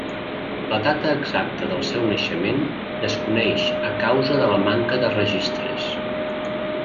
La data exacta del seu naixement desconeix a causa de la manca de registres.